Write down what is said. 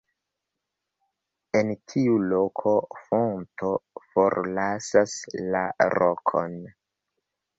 En tiu loko fonto forlasas la rokon.